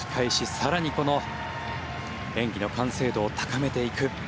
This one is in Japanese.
更にこの演技の完成度を高めていく。